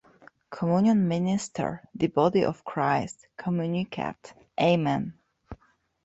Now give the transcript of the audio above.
Communion Minister: The body of Christ. Communicant: Amen.